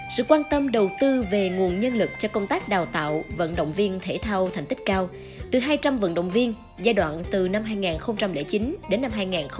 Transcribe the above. sự quan tâm đầu tư về nguồn nhân lực cho công tác đào tạo vận động viên thể thao thành tích cao từ hai trăm linh vận động viên giai đoạn từ năm hai nghìn chín đến năm hai nghìn một mươi